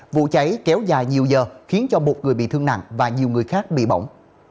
vụ cháy kéo dài nhiều giờ khiến cho một người bị thương nặng và nhiều người khác bị bỏng